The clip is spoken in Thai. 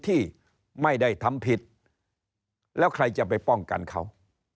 ที่ไม่ได้ทำผิดแล้วใครจะไปป้องกันเขา